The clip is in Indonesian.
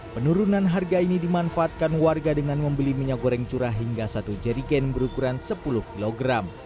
penurunan harga ini dimanfaatkan warga dengan membeli minyak goreng curah hingga satu jeriken berukuran sepuluh kg